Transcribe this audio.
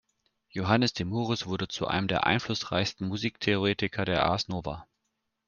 Johannes de Muris wurde zu einem der einflussreichsten Musiktheoretiker der Ars Nova.